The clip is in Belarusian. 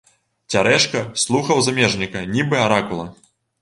Цярэшка слухаў замежніка, нібы аракула.